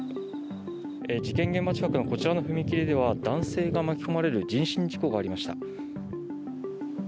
事件現場近くのこちらの踏切では男性が巻き込まれる人身事故がありました。